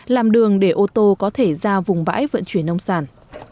làm đường để ô tô có thể ra vùng vãi vận chuyển nông sản